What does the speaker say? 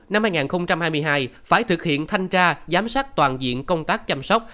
năm hai nghìn hai mươi hai phải thực hiện thanh tra giám sát toàn diện công tác chăm sóc